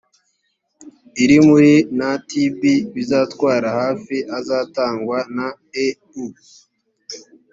iri muri ntb bizatwara hafi azatangwa na eu